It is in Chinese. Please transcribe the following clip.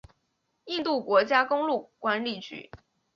印度国家公路管理局。